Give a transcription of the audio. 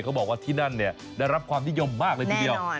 เขาบอกว่าที่นั่นเนี่ยได้รับความนิยมมากเลยทีเดียว